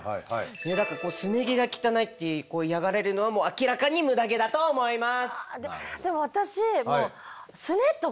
だからすね毛が汚いって嫌がられるのは明らかにムダ毛だと思います！